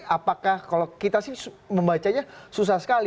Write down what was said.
apakah kalau kita sih membacanya susah sekali